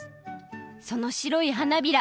そのしろい花びら